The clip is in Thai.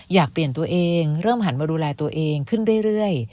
อยากเปลี่ยนตัวเองเริ่มหันมาดูแลตัวเองขึ้นเรื่อย